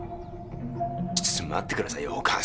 ちょ待ってくださいよお母さん。